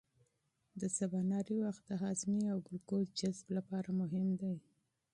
د سباناري وخت د هاضمې او ګلوکوز جذب لپاره مهم دی.